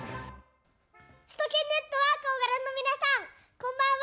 首都圏ネットワークをご覧の皆さん、こんばんは。